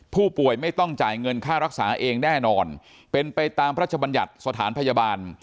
ผู้ป่วยไม่ต้องจ่ายเงินค่ารักษาเองแน่นอนเป็นไปตามพระชบัญญัติสถานพยาบาล